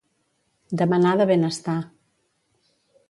Demanar de ben estar.